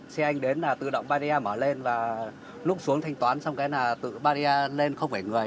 xe anh đến là tự động ba da mở lên và lúc xuống thanh toán xong cái là tự ba da lên không phải người ấy